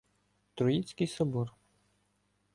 Троїцький собор.